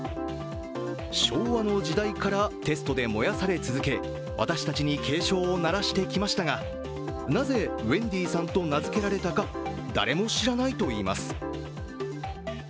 昭和の時代からテストで燃やされ続け私たちに警鐘を鳴らしてきましたが、なぜウェンディさんと名づけられたか誰も知らないといいます。